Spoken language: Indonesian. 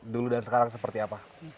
dulu dan sekarang seperti apa